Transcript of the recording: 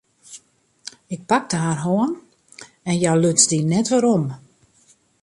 Ik pakte har hân en hja luts dy net werom.